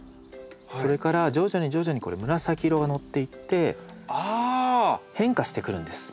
それから徐々に徐々にこれ紫色がのっていって変化してくるんです。